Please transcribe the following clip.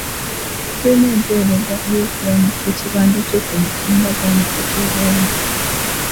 Tulina empeereza y'okuwanika ekibanja kyo ku mutimbagano ey'obwereere.